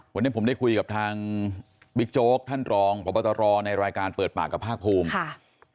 วันนี้ผมได้คุยกับทางบิ๊กโจ๊กท่านรองพบตรในรายการเปิดปากกับภาคภูมิค่ะ